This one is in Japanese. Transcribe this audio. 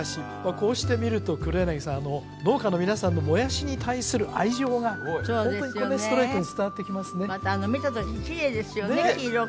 こうして見ると黒柳さん農家の皆さんのもやしに対する愛情がホントにこうねストレートに伝わってきますねまたあの見たとききれいですよね